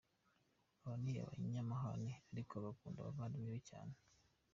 Aba ari umunyamahane ariko agakunda abavandimwe be cyane.